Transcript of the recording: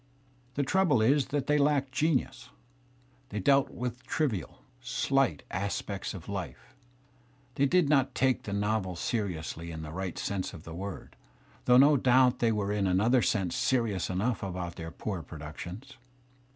The trouble is that they lacked genius; they dealt with trivial, sUght aspects of life; they did not take the I novel seriously in the right sense of the word, though no I doubt they were in another sense serious enough about their ! poor productions.